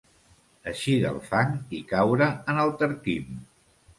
Eixir del fang i caure en el tarquim.